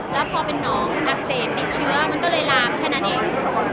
แล้วพอเป็นน้องอักเสบติดเชื้อมันก็เลยลามแค่นั้นเอง